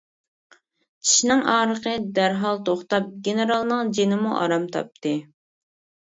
چىشنىڭ ئاغرىقى دەرھال توختاپ گېنېرالنىڭ جېنىمۇ ئارام تاپتى.